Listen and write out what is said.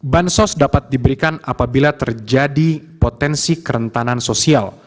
bansos dapat diberikan apabila terjadi potensi kerentanan sosial